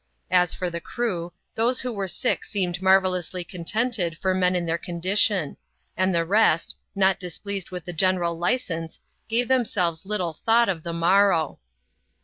As for the crew, those who were sick seemed marvellously contented for men in their con dition ; and the rest, not displeased with the general licence, gave themselves little thought of the morrow.